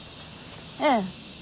ええ。